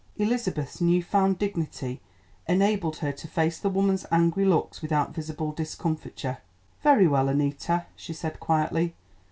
Elizabeth's new found dignity enabled her to face the woman's angry looks without visible discomfiture. "Very well, Annita," she said quietly.